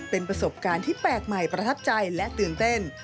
เป็นประสบการณ์ที่แปลกใหม่ประทับใจและตื่นเต้น